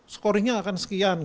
scoring nya akan sekian